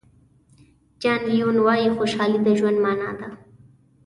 جان لینون وایي خوشحالي د ژوند معنا ده.